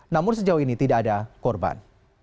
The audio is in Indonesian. namun sejauh ini tidak ada korban